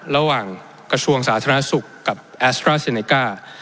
ระหว่างกระชวงสาธารณสุขกับแอสเตอร์เซนเนค่า